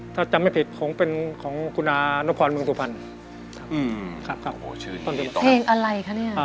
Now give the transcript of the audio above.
ถ้าจำไม่ผิดคงเป็นของกุณานพรเมืองสุพรรณครับ